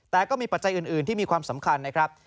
แต่ก็มีปัจจัยอื่นที่มีความสำคัญนะครับ